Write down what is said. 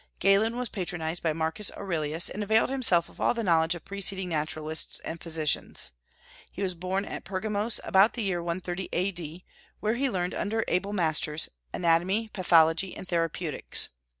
Galen was patronized by Marcus Aurelius, and availed himself of all the knowledge of preceding naturalists and physicians. He was born at Pergamos about the year 130 A.D., where he learned, under able masters, anatomy, pathology, and therapeutics.